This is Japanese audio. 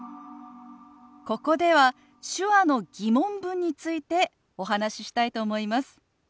ここでは手話の疑問文についてお話ししたいと思います。